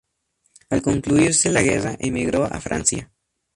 Al concluirse la guerra emigró a Francia.